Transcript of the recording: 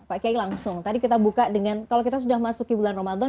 pak kiai langsung tadi kita buka dengan kalau kita sudah masuk ke bulan ramadhan